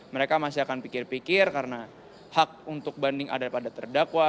mereka masih akan pikir pikir karena hak untuk banding ada pada terdakwa